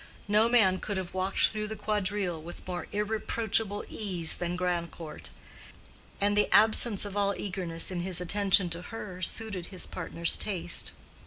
No man could have walked through the quadrille with more irreproachable ease than Grandcourt; and the absence of all eagerness in his attention to her suited his partner's taste.